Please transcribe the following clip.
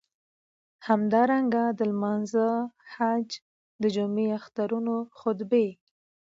همدارنګه د لمانځه، حج، د جمعی، اخترونو خطبی.